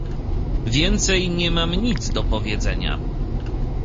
"Więcej nie mam nic do powiedzenia."